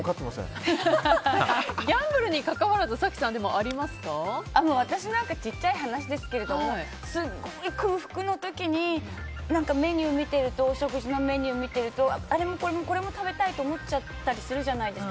ギャンブルにかかわらず私なんか、小さい話ですけどすごく空腹のときに食事のメニューを見てるとあれもこれも食べたいと思っちゃったりするじゃないですか。